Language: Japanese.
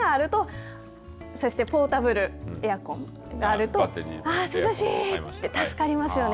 そしてポータブルエアコンがあるとああ涼しいって助かりますよね。